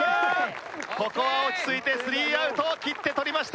ここは落ち着いてスリーアウトを切って取りました。